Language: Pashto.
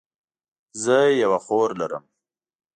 زه یوه خور لرم